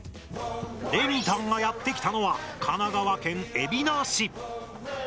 レミたんがやって来たのは神奈川県海老名市。